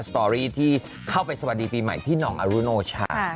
สตอรี่ที่เข้าไปสวัสดีปีใหม่พี่หน่องอรุโนชา